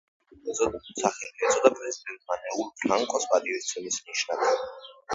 სახელი ეწოდა პრეზიდენტ მანუელ ფრანკოს პატივისცემის ნიშნად.